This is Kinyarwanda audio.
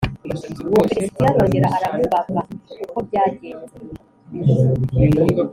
Umufilisitiya arongera aramubava uko byajyenze